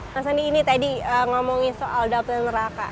mas andi ini tadi ngomongin soal dapil neraka